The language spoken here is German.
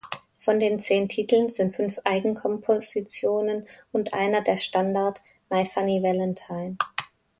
Von den zehn Titeln sind fünf Eigenkompositionen und einer der Standard „My Funny Valentine“.